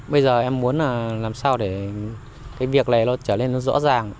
bây giờ em muốn là làm sao để cái việc này nó trở lên nó rõ ràng